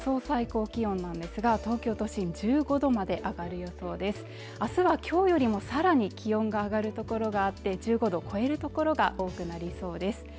最高気温ですが東京都心１５度まで上がる予想であすはきょうよりもさらに気温が上がる所があって１５度を超える所が多くなりそうです